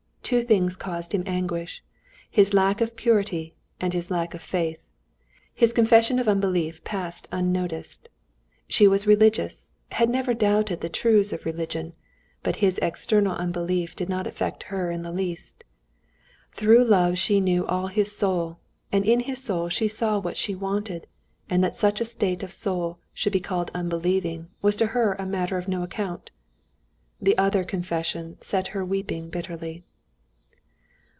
Two things caused him anguish: his lack of purity and his lack of faith. His confession of unbelief passed unnoticed. She was religious, had never doubted the truths of religion, but his external unbelief did not affect her in the least. Through love she knew all his soul, and in his soul she saw what she wanted, and that such a state of soul should be called unbelieving was to her a matter of no account. The other confession set her weeping bitterly.